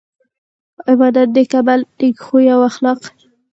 عبادت نيک عمل نيک خوي او اخلاق